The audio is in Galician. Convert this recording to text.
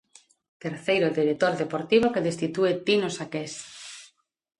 Terceiro director deportivo que destitúe Tino Saqués.